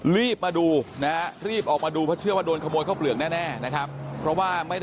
รีบมาดูนะฮะรีบออกมาดูเพราะเชื่อว่าโดนขโมยข้าวเปลือกแน่นะครับเพราะว่าไม่ได้